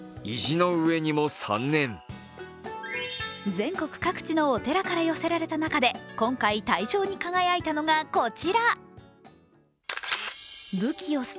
全国各地のお寺から寄せられた中で今回、大賞に輝いたのがこちら。